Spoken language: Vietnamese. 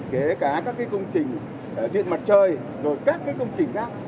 kể cả các công trình điện mặt trời rồi các công trình khác